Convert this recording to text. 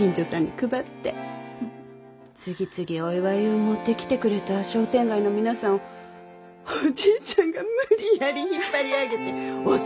次々お祝ゆう持ってきてくれた商店街の皆さんをおじいちゃんが無理やり引っ張り上げてお酒ょお飲んで。